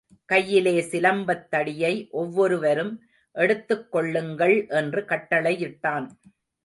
கையிலே சிலம்பத் தடியை ஒவ்வொரு வரும் எடுத்துக்கொள்ளுங்கள் என்று கட்டளையிட்டான்.